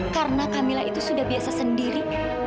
karena kamila itu sudah biasa sendiri